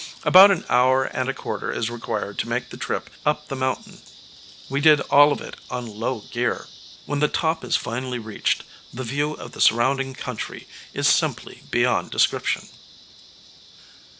About an hour and a quarter is required to make the trip up the mountain. We did all of it on low gear. When the top is finally reached, the view of the surrounding country is simply beyond description.